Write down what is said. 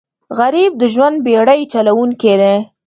غریب د ژوند بېړۍ چلوونکی دی